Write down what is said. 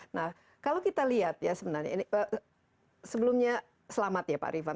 nah kalau kita lihat ya sebenarnya ini sebelumnya selamat ya pak rifan